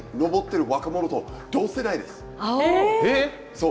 そう。